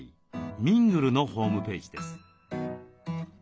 「みんぐる」のホームページです。